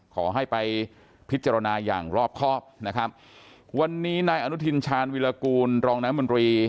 ขอให้ไปพิจารณาอย่างรอบครอบนะครับวันนี้นายอนุทินชาญวิรากูลรองน้ำมนตรี